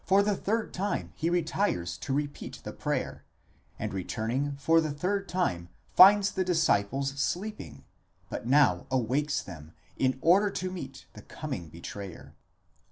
For the third time he retires to repeat the prayer, and returning, for the third time finds the disciples sleeping, but now awakes them, in order to meet the coming betrayer.